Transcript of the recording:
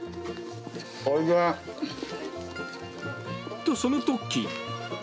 と、そのとき。